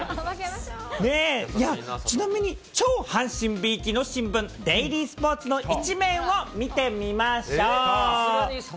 ちなみに、超阪神びいきの新聞、デイリースポーツの１面を見てみましょう。